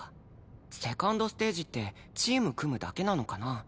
２ｎｄステージってチーム組むだけなのかな？